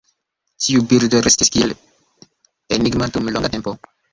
Tiu birdo restis kiel enigma dum longa tempo.